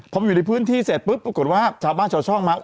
พอมาอยู่ในพื้นที่เสร็จปุ๊บปรากฏว่าชาวบ้านชาวช่องมา